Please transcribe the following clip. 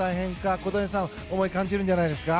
小谷さん、思いを感じるんじゃないですか？